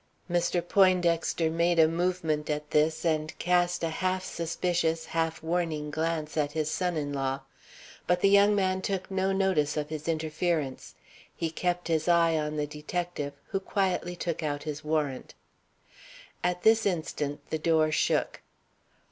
Mr. Poindexter made a movement at this, and cast a half suspicious, half warning glance at his son in law. But the young man took no notice of his interference. He kept his eye on the detective, who quietly took out his warrant. At this instant the door shook.